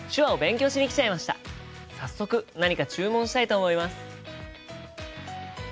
早速何か注文したいと思います。